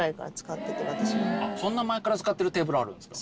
そんな前から使ってるテーブルあるんですか？